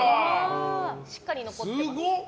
しっかり残ってます。